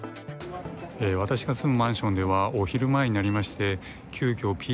私が住むマンションではお昼前になりまして急きょ